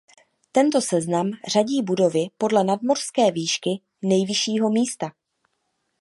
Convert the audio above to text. Tento seznam řadí budovy podle nadmořské výšky nejvyššího místa.